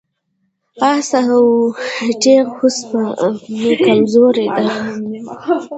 آس او تیغ هوس مې کمزوري ده.